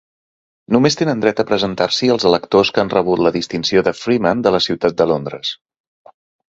Només tenen dret a presentar-s'hi els electors que han rebut la distinció de "freeman" de la ciutat de Londres.